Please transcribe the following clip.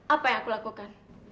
apa yang aku lakukan